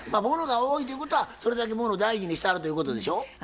ものが多いということはそれだけものを大事にしてはるということでしょ？